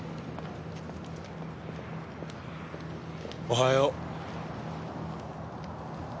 おはよう。